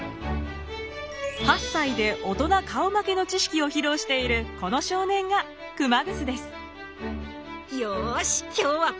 ８歳で大人顔負けの知識を披露しているこの少年が熊楠です。